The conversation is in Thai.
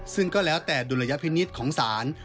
ซึ่งก็แล้วแต่ดุลยพินิษฐ์ของศาล